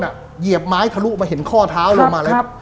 เหยียบไม้ทะลุมาเห็นข้อเท้าลงมาแล้ว